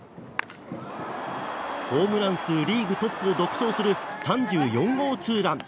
ホームラン数リーグトップを独走する３４号ツーラン。